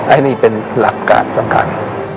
อันนี้เป็นหลักการสังการ